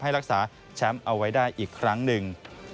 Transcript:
รักษาแชมป์เอาไว้ได้อีกครั้งหนึ่ง